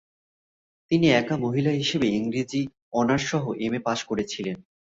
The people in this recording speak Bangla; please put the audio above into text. তিনি একা মহিলা হিসেবে ইংরেজি অনার্স সহ এম.এ পাশ করেছিলেন।